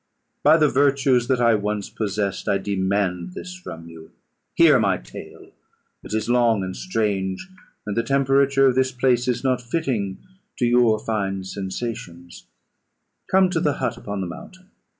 By the virtues that I once possessed, I demand this from you. Hear my tale; it is long and strange, and the temperature of this place is not fitting to your fine sensations; come to the hut upon the mountain.